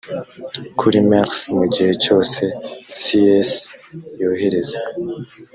kuri mrc mu gihe cyose cis yohereza